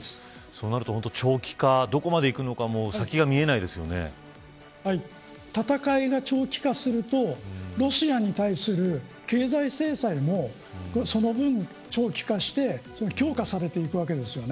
そうなると、長期化どこまでいくのかも戦いが長期化するとロシアに対する経済制裁もその分長期化して強化されていくわけです。